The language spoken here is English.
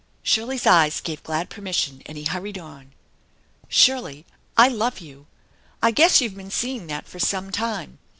Shirley's eyes gave glad permission and he hurried on. " Shirley, I love you. I guess you've been seeing that for some time.